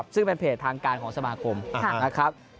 ซึ่งเป็นเพจทางการของสมาคมนะครับ